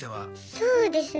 そうですね